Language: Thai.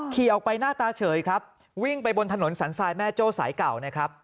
ขี่ออกไปหน้าตาเฉยครับวิ่งไปบนถนนสันทรายแม่โจ้สายเก่านะครับ